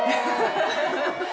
ハハハ